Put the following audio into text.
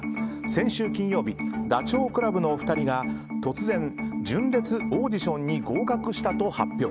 先週金曜日ダチョウ倶楽部の２人が突然、純烈オーディションに合格したと発表。